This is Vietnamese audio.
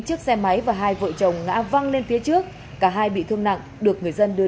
chiếc xe máy và hai vợ chồng ngã văng lên phía trước cả hai bị thương nặng được người dân đưa